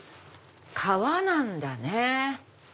革なんだね。